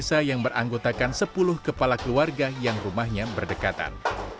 desa yang beranggotakan sepuluh kepala keluarga yang rumahnya berdekatan